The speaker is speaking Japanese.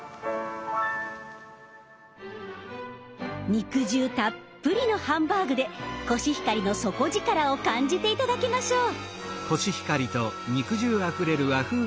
肉汁たっぷりのハンバーグでコシヒカリの底力を感じて頂きましょう。